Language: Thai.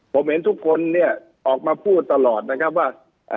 ผมเห็นทุกคนเนี่ยออกมาพูดตลอดนะครับว่า